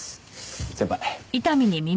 先輩。